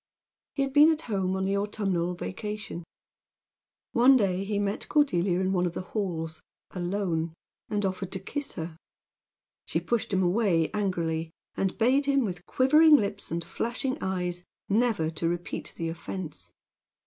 He had been at home on the autumnal vacation. One day he met Cordelia in one of the halls, alone, and offered to kiss her. She pushed him away angrily, and bade him, with quivering lips and flashing eyes, never to repeat the offense.